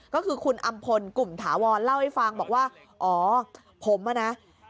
ก็คือคุณอำพลกลุ่มถาวรเล่าให้ฟังบอกว่าอ๋อผมอ่ะนะ